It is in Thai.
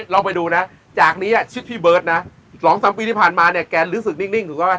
ลองไปดูนะจากนี้ชื่อพี่เบิร์ตนะ๒๓ปีที่ผ่านมาเนี่ยแกรู้สึกนิ่งถูกต้องไหม